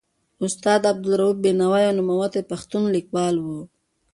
استاد عبدالروف بینوا یو نوموتی پښتون لیکوال و.